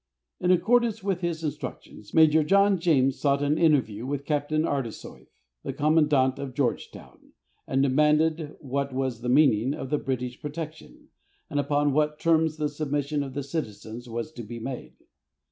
In accordance with his instructions, Major John James sought an interview with Captain Ardesoif, the commandant of Georgetown, and demanded what was the meaning of the British protection, and upon what terms the submission of the citizens was to be made.